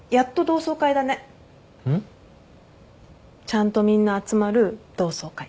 ちゃんとみんな集まる同窓会。